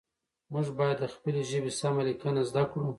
موږ باید د خپلې ژبې سمه لیکنه زده کړو